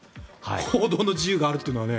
報道の自由があるというのはね。